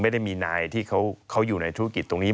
ไม่ได้มีนายที่เขาอยู่ในธุรกิจตรงนี้